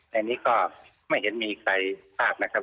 อันนี้ก็ไม่เห็นมีใครภาพนะครับ